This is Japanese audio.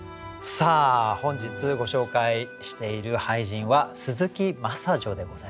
本日ご紹介している俳人は鈴木真砂女でございます。